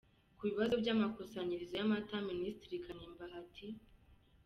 Ku bibazo by’ amakusanyirizo y’ amata, Minisitiri Kanimba ati “.